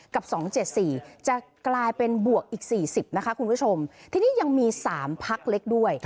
กับ๒๗๔จะกลายเป็นบวกอีก๔๐นะคะคุณผู้ชมทีนี้ยังมี๓พักเล็กด้วย